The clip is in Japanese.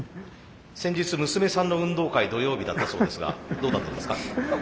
先日娘さんの運動会土曜日だったそうですがどうだったんですか？